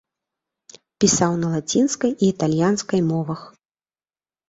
Пісаў на лацінскай і італьянскай мовах.